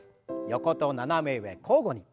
横と斜め上交互に。